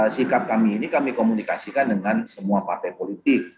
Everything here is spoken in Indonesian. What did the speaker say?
sikap kami ini kami komunikasikan dengan semua partai politik